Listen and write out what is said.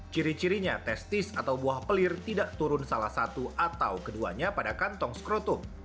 ciri cirinya testis atau buah pelir tidak turun salah satu atau keduanya pada kantong skroto